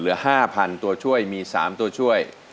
เหลือห้าพันตัวช่วยมีสามตัวช่วย